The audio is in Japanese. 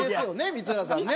光浦さんね。